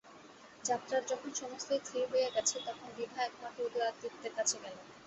যাত্রার যখন সমস্তই স্থির হইয়া গেছে, তখন বিভা একবার উদয়াদিত্যের কাছে গেল।